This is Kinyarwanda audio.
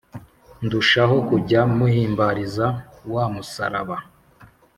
Ndu- shaho kujya muhimbariza Wa musaraba.